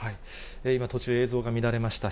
今、途中、映像が乱れました。